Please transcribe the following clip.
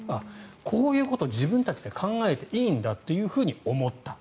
こういうこと、自分たちで考えていいんだと思った。